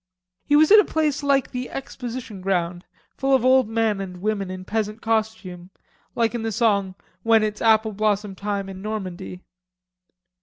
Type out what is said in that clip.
He was in a place like the Exposition ground, full of old men and women in peasant costume, like in the song, "When It's Apple Blossom Time in Normandy."